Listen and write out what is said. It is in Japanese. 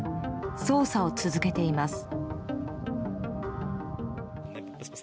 捜査を続けています。